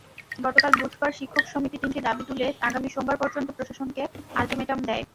গতকাল বুধবার শিক্ষক সমিতি তিনটি দাবি তুলে আগামী সোমবার পর্যন্ত প্রশাসনকে আলটিমেটাম দেয়।